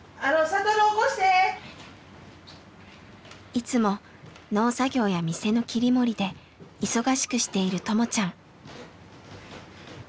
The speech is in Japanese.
いつも農作業や店の切り盛りで忙しくしているともちゃん。